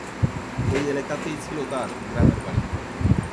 ওই এলাকাতেই ছিল তার গ্রামের বাড়ি।